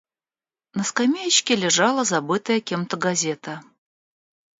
На скамеечке лежала забытая кем-то газета.